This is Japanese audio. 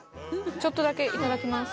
ちょっとだけいただきます。